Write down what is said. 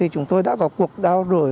chúng tôi đã có cuộc đao rủi